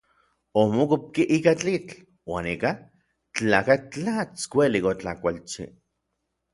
Omokopki ika tlitl uan ika tlakatl tlats uelik otlakualchi.